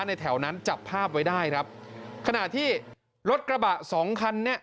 แถวนั้นจับภาพไว้ได้ครับขณะที่รถกระบะสองคันเนี้ย